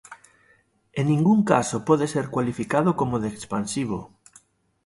En ningún caso pode ser cualificado como de expansivo.